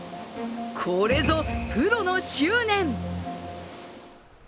これぞ、プロの執念！